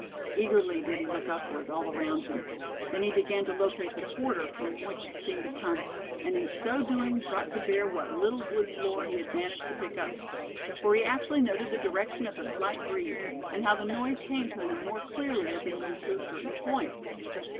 Eagerly did he look upward, all around him. Then he began to locate the quarter from which it seemed to come, and in so doing brought to bear what little woods' lore he had managed to pick up; for he actually noted the direction of the slight breeze, and how the noise came to him more clearly as he moved to a certain point.